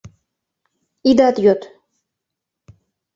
Идат йод.